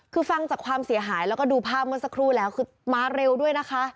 คือฟังจากความเสียหายแล้วก็ดูภาพเมื่อสักครู่แล้วคือมาเร็วด้วยนะคะ